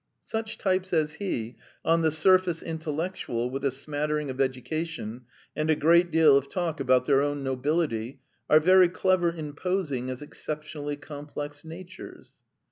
Such types as he, on the surface intellectual with a smattering of education and a great deal of talk about their own nobility, are very clever in posing as exceptionally complex natures."